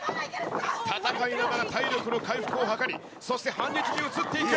戦いながら体力の回復を図り、そして、反撃に移っていく。